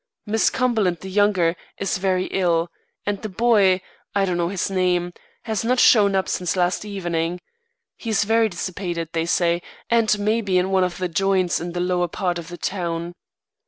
Miss Cumberland, the younger, is very ill, and the boy I don't know his name has not shown up since last evening. He's very dissipated, they say, and may be in any one of the joints in the lower part of the town."